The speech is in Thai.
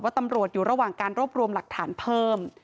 ตำรวจอยู่ระหว่างการรวบรวมหลักฐานเพิ่ม